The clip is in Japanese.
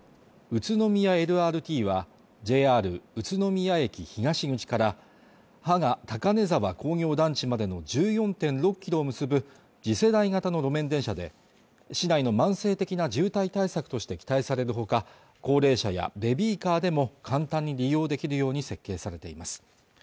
宇都宮ＬＲＴはＪＲ宇都宮駅東口から芳賀・高根沢工業団地までの１４．６キロを結ぶ次世代型の路面電車で市内の慢性的な渋滞対策として期待されるほか高齢者やベビーカーでも簡単に利用できるように設計されています